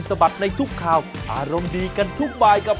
สวัสดีครับ